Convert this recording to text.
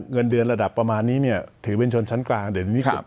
เงินเดือนระดับประมาณนี้เนี่ยถือเป็นชนชั้นกลางเด่นวิกฤต